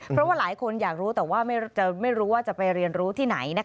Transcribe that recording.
เพราะว่าหลายคนอยากรู้แต่ว่าไม่รู้ว่าจะไปเรียนรู้ที่ไหน